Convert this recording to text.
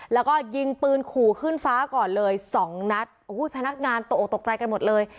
แล้วก็ยิงปืนขู่ขึ้นฟ้าก่อนเลยสองนัดโอ้โหพนักงานตกออกตกใจกันหมดเลย